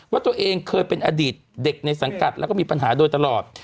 ว่าตัวเองเคยเป็นอดีตเด็กในสังกัดแล้วก็มีปัญหาโดยตลอด